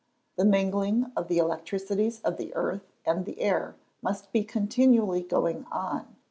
The mingling of the electricities of the earth and the air must be continually going on.